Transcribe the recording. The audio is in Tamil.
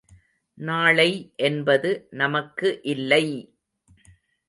நாளை என்பது நமக்கு இல்லை!